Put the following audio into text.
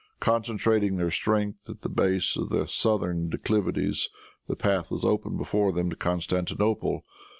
Concentrating their strength at the base of the southern declivities, the path was open before them to Constantinople.